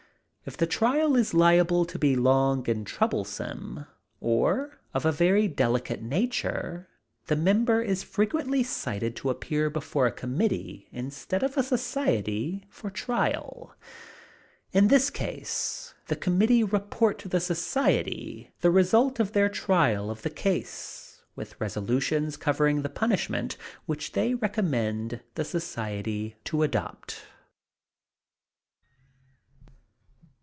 If the trial is liable to be long and troublesome, or of a very delicate nature, the member is frequently cited to appear before a committee, instead of the society, for trial. In this case the committee report to the society the result of their trial of the case, with resolutions covering the punishment which they recommend the society to adopt.